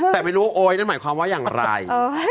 แต่ไม่รู้โอ๊ยยังหมายความว่าอะไร